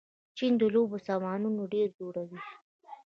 چین د لوبو سامانونه ډېر جوړوي.